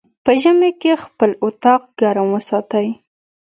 په ژمی کی خپل اطاق ګرم وساتی